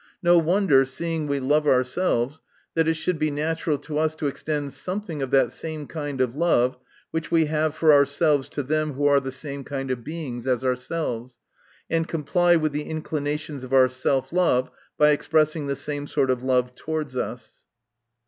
No wonder, seeing we love our selves, that it should be natural to us to extend something of that same kind of love which Ave have for ourselves, to them who are the same kind of Beings as ourselves, and comply with the inclinations of our self love, by expressing the same sort of love towards us.